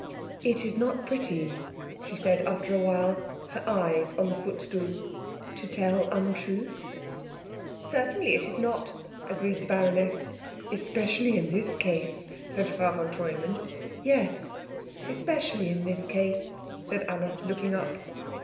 "It is not pretty," she said after a while, her eyes on the footstool, "to tell untruths." "Certainly it is not," agreed the baroness. "Especially in this case," said Frau von Treumann. "Yes, especially in this case," said Anna, looking up.